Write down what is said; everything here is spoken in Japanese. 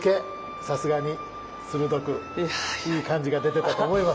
さすがに鋭くいい感じが出てたと思います。